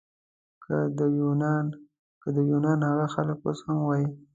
که د یونان هغه خلک اوس هم وای.